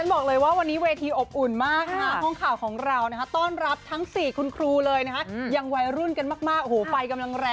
สวัสดีคุณครูเก้งค่ะคุณน้องช่วงคุณครูเต้วและคุณผู้กีตาร์นั่นเองค่ะ